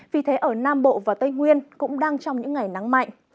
vì thế ở nam bộ và tây nguyên cũng đang trong những ngày nắng mạnh